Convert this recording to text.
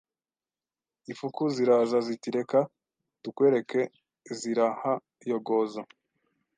ifuku ziraza ziti Reka tukwereke Zirahayogoza